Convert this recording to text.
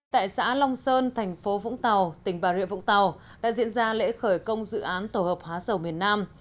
tại xã long sơn thành phố vũng tàu tỉnh bà rịa vũng tàu đã diễn ra lễ khởi công dự án tổ hợp hóa dầu miền nam